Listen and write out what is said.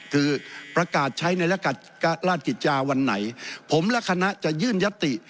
คือประกาศใช้ในราชกิจจาวันไหนผมและคณะจะยื่นยติ